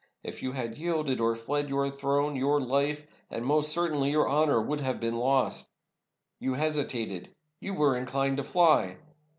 If you had yielded or fled, your throne, your life, and most cer tainly your honor, would have been lost. You hesitated. You were inclined to fly.